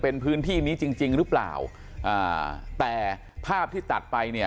เป็นพื้นที่นี้จริงจริงหรือเปล่าอ่าแต่ภาพที่ตัดไปเนี่ย